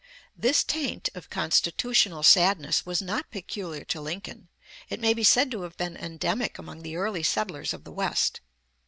] This taint of constitutional sadness was not peculiar to Lincoln; it may be said to have been endemic among the early settlers of the West.